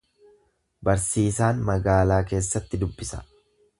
Barsiisaan magaalaa keessatti dubbisa.